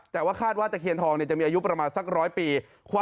แต่ว่าคาดว่าตะเคียนทองจะมีอายุประมาณสัก๑๐๐ปี